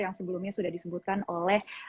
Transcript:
yang sebelumnya sudah disebutkan oleh